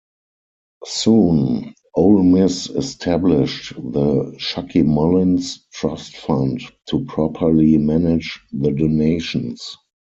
Soon, Ole Miss established the "Chucky Mullins Trust Fund" to properly manage the donations.